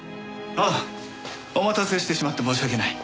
あっお待たせしてしまって申し訳ない。